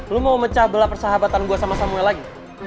lo mau mecah belah persahabatan gue sama samuel lagi